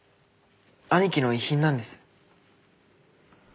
兄貴の遺品なんです。